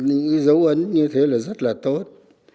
những dấu ấn như thế là rất là tốt